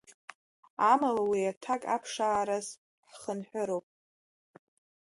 Амала уи аҭак аԥшаараз ҳхынҳәыроуп.